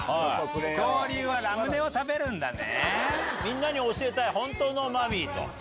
恐竜はラムネを食べるんだね！